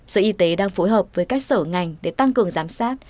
sở y tế đang phối hợp với các sở ngành để tăng cường giám sát